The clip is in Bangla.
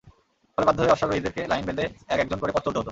ফলে বাধ্য হয়ে অশ্বারোহীদেরকে লাইন বেঁধে এক একজন করে পথ চলতে হত।